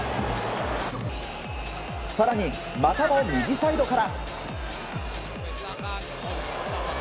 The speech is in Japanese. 更に、またも右サイドから。